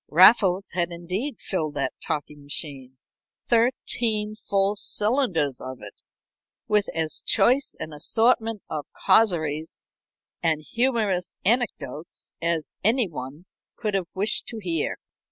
Raffles had indeed filled that talking machine thirteen full cylinders of it with as choice an assortment of causeries and humorous anecdotes as any one could have wished to hear.